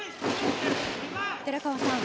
寺川さん